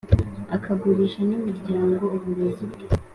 akagurisha n’imiryango uburozi bwe